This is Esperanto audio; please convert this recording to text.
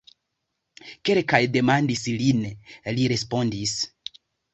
Kelkaj demandis lin, li respondis.